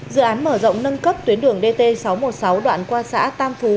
dự án mở rộng nâng cấp tuyến đường dt sáu trăm một mươi sáu đoạn qua xã tam phú